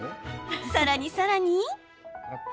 さらに、さらに。